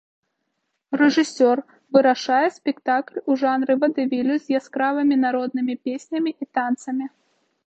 Рэжысёр вырашае спектакль у жанры вадэвілю з яскравымі народнымі песнямі і танцамі.